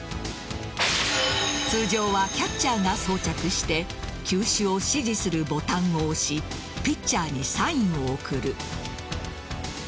通常はキャッチャーが装着して球種を指示するボタンを押しピッチャーにサインを送る。